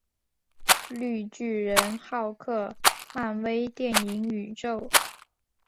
绿巨人浩克漫威电影宇宙